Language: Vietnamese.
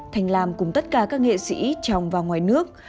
thành lam cùng tất cả các nghệ sĩ trồng vào ngoài nước